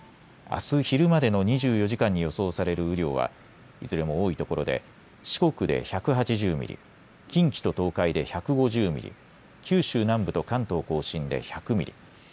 あす昼までの２４時間に予想される雨量は、いずれも多いところで四国で１８０ミリ、近畿と東海で１５０ミリ、九州南部と関東甲信で１００ミリ。